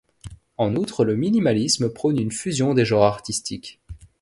En outre, le minimalisme prône une fusion des genres artistiques.